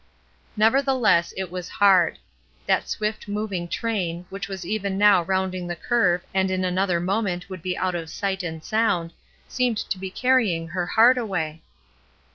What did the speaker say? Nevertheless it was hard. That swift moving train, which was even now rounding the curve and in another moment would be out of sight and sound, seemed to be carrying her heart away.